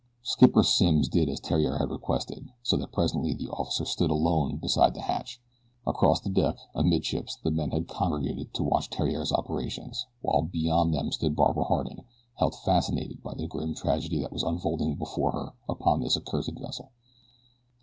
Skipper Simms did as Theriere had requested, so that presently the officer stood alone beside the hatch. Across the deck, amidships, the men had congregated to watch Theriere's operations, while beyond them stood Barbara Harding held fascinated by the grim tragedy that was unfolding before her upon this accursed vessel.